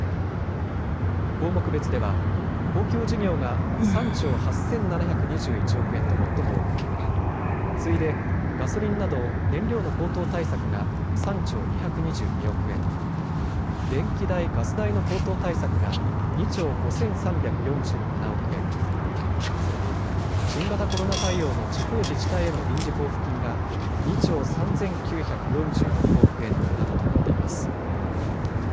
項目別では公共事業が３兆８７２１億円と最も多く次いでガソリンなど燃料の高騰対策が３兆２２２億円、電気代、ガス代の高騰対策が２兆５３４７億円、それに新型コロナ対応の地方自治体への臨時交付金が２兆３９４６億円などとなっています。